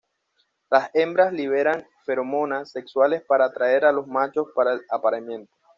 Las hembras liberan feromonas sexuales para atraer a los machos para el apareamiento.